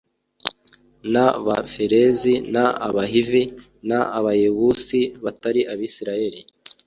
n Abaferizi n Abahivi n Abayebusi batari Abisirayeli